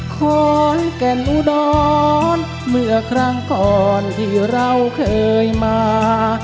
ขอนแก่นอุดรเมื่อครั้งก่อนที่เราเคยมา